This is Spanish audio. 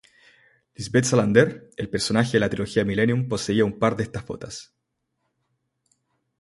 Lisbeth Salander, el personaje de la trilogía Millennium poseía un par de estas botas.